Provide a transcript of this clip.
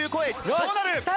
どうなる！？